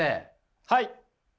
はい。